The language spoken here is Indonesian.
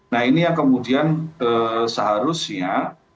nah ini yang kemudian seharusnya